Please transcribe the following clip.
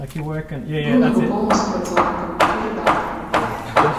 Быў навуковым супрацоўнікам і рэдактарам.